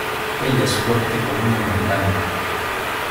Ella es fuerte como una montaña.